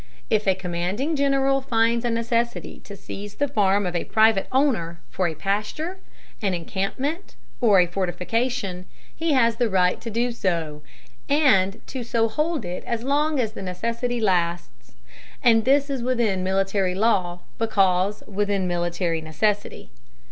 If a commanding general finds a necessity to seize the farm of a private owner, for a pasture, an encampment, or a fortification, he has the right to do so, and to so hold it as long as the necessity lasts; and this is within military law, because within military necessity.